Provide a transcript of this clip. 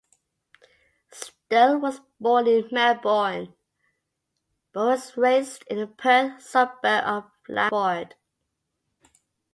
Sterle was born in Melbourne, but was raised in the Perth suburb of Langford.